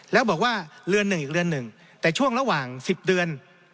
แล้วบอกว่าเรือนหนึ่งอีกเรือนหนึ่งแต่ช่วงระหว่าง๑๐เดือน